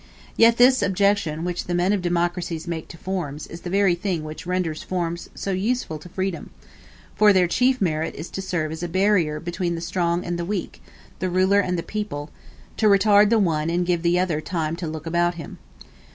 Yet this objection which the men of democracies make to forms is the very thing which renders forms so useful to freedom; for their chief merit is to serve as a barrier between the strong and the weak, the ruler and the people, to retard the one, and give the other time to look about him.